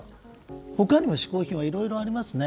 他にも嗜好品はいろいろありますよね。